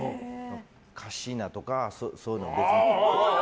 カッシーナとかそういうのは別に。